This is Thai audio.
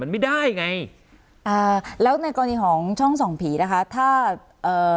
มันไม่ได้ไงอ่าแล้วในกรณีของช่องส่องผีนะคะถ้าเอ่อ